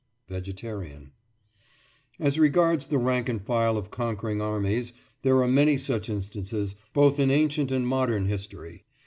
VEGETARIAN: As regards the rank and file of conquering armies, there are many such instances, both in ancient and modern history.